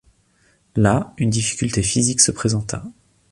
Là, une difficulté physique se présenta.